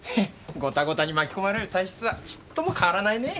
ゴタゴタに巻き込まれる体質はちっとも変わらないねぇ。